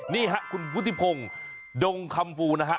นี่ฮะคุณวุฒิพงศ์ดงคำฟูนะฮะ